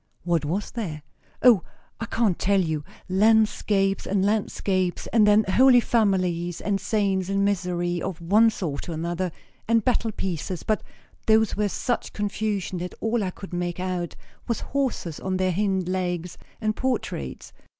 "What was there?" "O, I can't tell you. Landscapes and landscapes; and then Holy Families; and saints in misery, of one sort or another; and battle pieces, but those were such confusion that all I could make out was horses on their hind legs; and portraits.